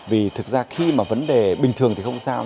vì thực ra khi mà vấn đề bình thường thì không sao